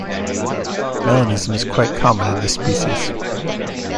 Melanism is quite common in this species.